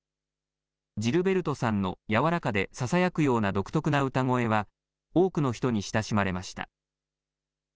ジルベルトさんの柔らかでささやくような独特な歌声は多くの人に親しまれました。